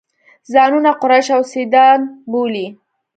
ځانونه قریش او سیدان بولي.